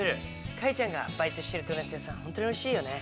カイちゃんがバイトしてるドーナツ屋さんおいしいよね。